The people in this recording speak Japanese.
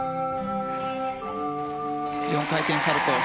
４回転サルコウ。